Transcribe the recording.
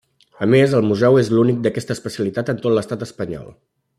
A més, el museu és l'únic d'aquesta especialitat en tot l'estat espanyol.